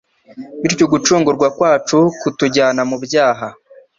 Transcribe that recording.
Bityo ugucungurwa kwacu kutujyana mu byaha;